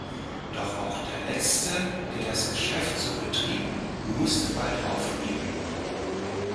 Doch auch der Letzte der das Geschäft so betrieb, musste bald aufgeben.